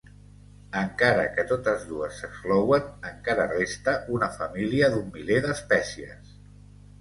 Encara que totes dues s'exclouen, encara resta una família d'un miler d'espècies.